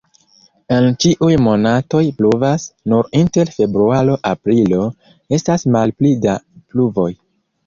En ĉiuj monatoj pluvas, nur inter februaro-aprilo estas malpli da pluvoj.